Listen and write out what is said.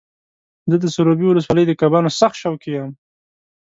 زه د سروبي ولسوالۍ د کبانو سخت شوقي یم.